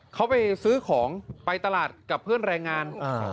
เขาไปซื้อของไปตลาดกับเพื่อนแรงงาน